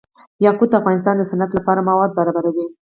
یاقوت د افغانستان د صنعت لپاره مواد برابروي.